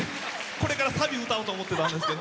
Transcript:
これからサビ歌おうと思ってたんですけど。